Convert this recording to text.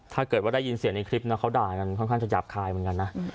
ถ้าเกิดว่าได้ยินเสียงในคลิปนะเขาด่ากันค่อนข้างจะหยาบคายเหมือนกันนะ